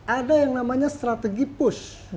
ada yang namanya strategi push